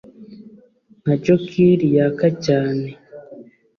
nka jonquil yaka cyane